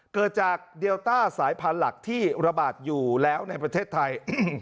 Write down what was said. เกิดจากเดลต้าสายพันธุ์หลักที่ระบาดอยู่แล้วในประเทศไทย